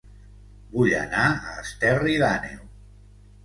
Vull anar a Esterri d'Àneu